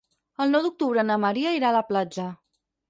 El nou d'octubre na Maria irà a la platja.